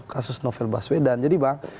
kasus novel baswedan jadi bang